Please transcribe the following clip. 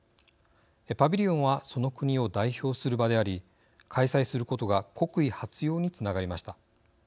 パビリオンはその国を代表する場であり開催することが国威発揚につながりました。